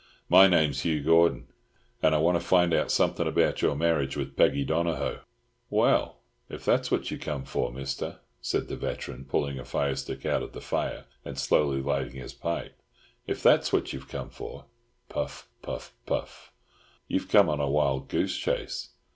"My name's Hugh Gordon, and I want to find out something about your marriage with Peggy Donohoe." "Well, if that's what you come for, Mister," said the veteran, pulling a firestick out of the fire, and slowly lighting his pipe, "if that's what you come for"—puff, puff, puff—"you've come on a wild goose chase.